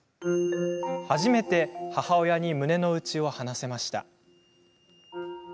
初めて母親に胸の内を話せました。